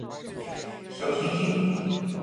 小行星